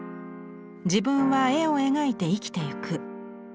自分は絵を描いて生きてゆく。